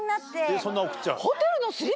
でそんな送っちゃう。